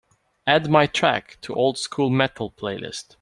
Add my track to old school metal playlist